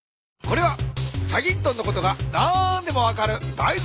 これは『チャギントン』のことが何でも分かるだい